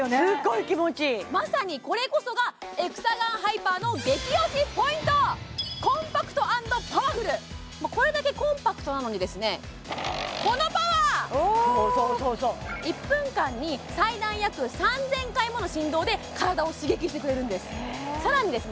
まさにこれこそがエクサガンハイパーのこれだけコンパクトなのにですねこのパワー１分間に最大約３０００回もの振動で体を刺激してくれるんですさらにですね